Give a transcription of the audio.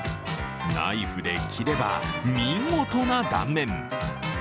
ナイフで切れば、見事な断面。